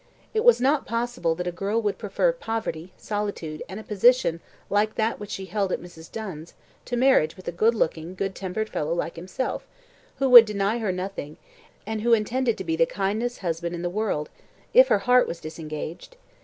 It was not possible that a girl would prefer poverty, solitude, and a position like that which she held at Mrs. Dunn's, to marriage with a good looking, good tempered fellow like himself, who would deny her nothing, and who intended to be the kindest husband in the world if her heart was disengaged.